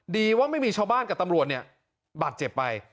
ดีว่าไม่มีชาวบ้านกับตำรวจเนี่ยบาดเจ็บไป